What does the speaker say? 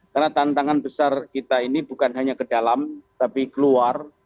karena tantangan besar kita ini bukan hanya ke dalam tapi keluar